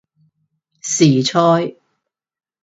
時菜